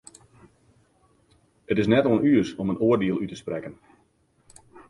It is net oan ús om in oardiel út te sprekken.